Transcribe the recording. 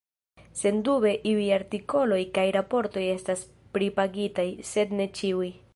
Sendube iuj artikoloj kaj raportoj estas pripagitaj, sed ne ĉiuj.